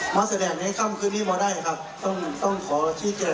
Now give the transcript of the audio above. เพราะว่าหลายคนมีความทั้งใจ